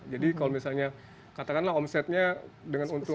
jadi kalau misalnya katakanlah omsetnya dengan untung